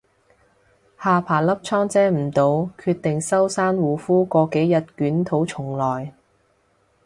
下巴粒瘡遮唔到，決定收山護膚過幾日捲土重來